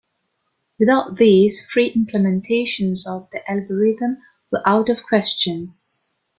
Without these, free implementations of the algorithm were out of question.